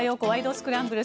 スクランブル」。